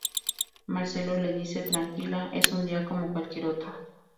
Marcelo le dice: "Tranquila, es un día como cualquier otro".